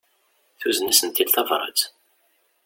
Tuzen-asent-id tabrat.